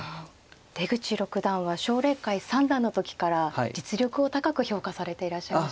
出口六段は奨励会三段の時から実力を高く評価されていらっしゃいましたね。